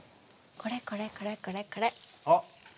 これこれこれこれこれ。